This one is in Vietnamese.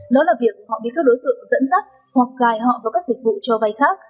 đó là việc họ bị các đối tượng dẫn dắt hoặc gài họ vào các dịch vụ cho vay khác